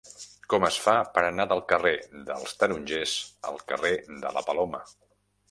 Com es fa per anar del carrer dels Tarongers al carrer de la Paloma?